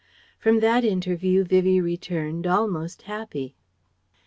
From that interview Vivie returned almost happy.